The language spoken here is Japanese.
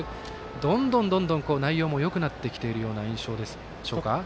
どんどん、内容もよくなってきているような印象でしょうか。